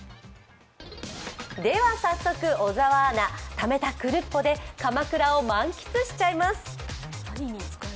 では早速、小沢アナ、ためたクルッポで鎌倉を満喫しちゃいます。